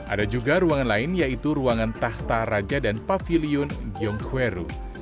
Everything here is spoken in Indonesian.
ada juga ruangan lain yaitu ruangan tahta raja dan pavilion gyeongweru